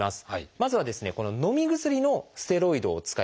まずはですねのみ薬のステロイドを使います。